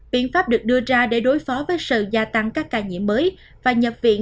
biện pháp được đưa ra để đối phó với sự gia tăng các ca nhiễm mới và nhập viện